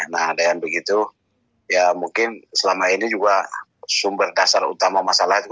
nah dengan begitu ya mungkin selama ini juga sumber dasar utama masalah itu